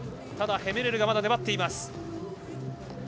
ただヘメルレがまだ粘っています。